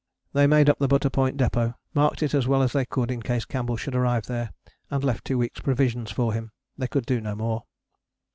" They made up the Butter Point Depôt, marked it as well as they could in case Campbell should arrive there, and left two weeks' provisions for him. They could do no more.